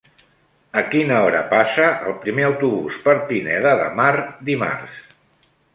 A quina hora passa el primer autobús per Pineda de Mar dimarts?